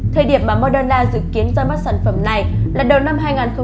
thời điểm mà moderna dự kiến ra mắt sản phẩm này là đầu năm hai nghìn hai mươi